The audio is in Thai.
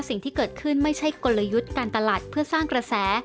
สิ่งที่เกิดขึ้นไม่ใช่กลยุทธ์การตลาดเพื่อสร้างกระแส